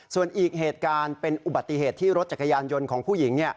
ส่วนอีกเหตุการณ์เป็นอุบัติเหตุที่รถจักรยานยนต์ของผู้หญิง